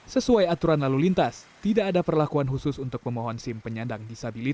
sesuai aturan lalu lintas tidak ada perlakuan khusus untuk pemohon sim penyandang disabilitas